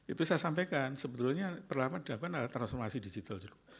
itu saya sampaikan sebetulnya perlahan lahan ada transformasi digital dulu